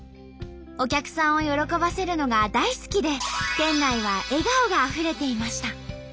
お客さんを喜ばせるのが大好きで店内は笑顔があふれていました。